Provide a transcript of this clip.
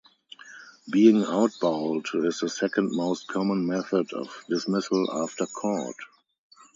Being out bowled is the second most common method of dismissal after caught.